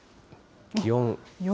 気温。